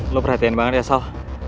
lo perhatiin banget ya sal